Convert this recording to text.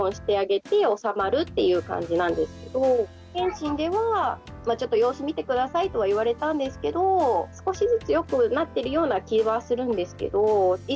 健診ではちょっと様子見て下さいとは言われたんですけど少しずつよくなってるような気はするんですけど。